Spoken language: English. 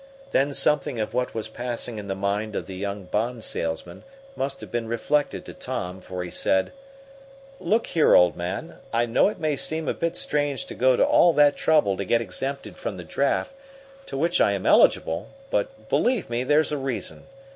Then something of what was passing in the mind of the young bond salesman must have been reflected to Tom, for he said, "Look here, old man; I know it may seem a bit strange to go to all that trouble to get exempted from the draft, to which I am eligible, but, believe me, there's a reason.